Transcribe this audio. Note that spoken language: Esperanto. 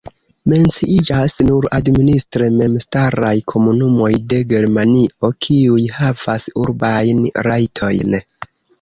Menciiĝas nur administre memstaraj komunumoj de Germanio, kiuj havas urbajn rajtojn.